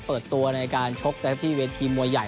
เปิดตัวในการชกนะครับที่เวทีมวยใหญ่